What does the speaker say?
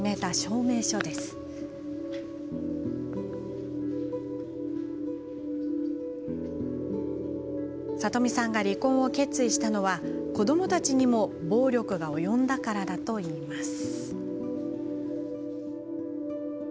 さとみさんが離婚を決意したのは子どもたちにも暴力が及んだからだと言います。